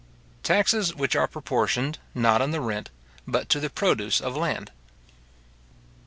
Taxes which are proportioned, not in the Rent, but to the Produce of Land.